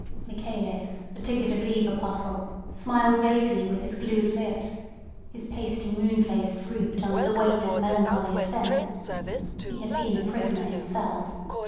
Michaelis, the ticket of leave apostle, smiled vaguely with his glued lips; his pasty moon face drooped under the weight of melancholy assent. He had been a prisoner himself.